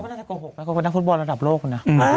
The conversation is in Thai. เขาไม่ได้โกหกไปเขาเป็นนักฟุตบอลระดับโลกนะ